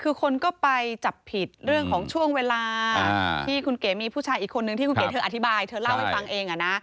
คือคนก็ไปจับผิดเรื่องของช่วงเวลาที่คุณเก๋มีผู้ชายอีกคนนึงที่คุณเก๋เธออธิบายเธอเล่าให้ฟังเอง